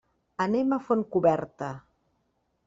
Anem a Fontcoberta.